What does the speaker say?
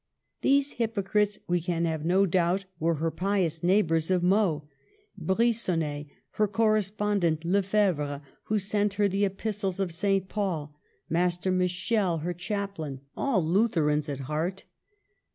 These hypocrites, we can have no doubt, were her pious neighbors of Meaux, — Brigonnet, her correspondent; Lefebvre, who sent her the Epistles of Saint Paul; Master Michel, her THE AFFAIR OF MEAUX. 6l chaplain : all Lutherans at heart.